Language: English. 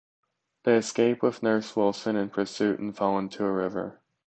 They escape with Nurse Wilson in pursuit, and fall into a river.